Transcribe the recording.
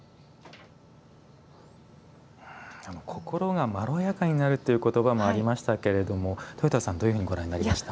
心がまろやかになるという言葉もありましたけどもとよたさん、どういうふうにご覧になりました？